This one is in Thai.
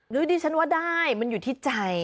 ดิฉันว่าได้มันอยู่ที่ใจ